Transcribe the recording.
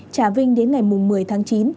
trà vinh đến ngày một mươi tháng chín